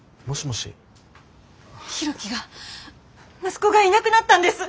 博喜が息子がいなくなったんです！